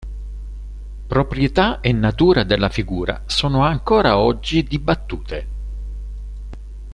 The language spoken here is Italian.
Proprietà e natura della figura sono ancora oggi dibattute.